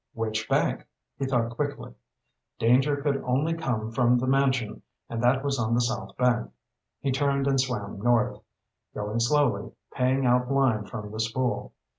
"Which bank?" He thought quickly. Danger could only come from the mansion, and that was on the south bank. He turned and swam north, going slowly, paying out line from the spool.